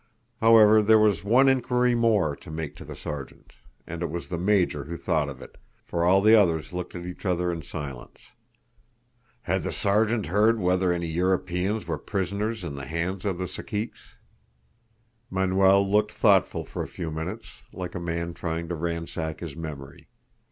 However, there was one inquiry more to make to the Sergeant; and it was the Major who thought of it, for all the others looked at each other in silence. "Had the Sergeant heard whether any Europeans were prisoners in the hands of the Caciques?" Manuel looked thoughtful for a few minutes, like a man trying to ransack his memory.